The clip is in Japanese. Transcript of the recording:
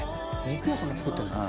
肉屋さんが作ってるんだ。